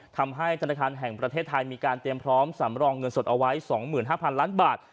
ทำให้ธนาคารแห่งประเทศไทยมีการเตรียมพร้อมสำรองเงินสดเอาไว้๒๕๐๐๐ล้านบาท